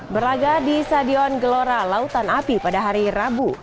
berlaga di stadion gelora lautan api pada hari rabu